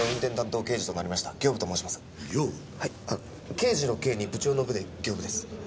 刑事の「刑」に部長の「部」で刑部です。